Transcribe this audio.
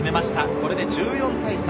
これで１４対３。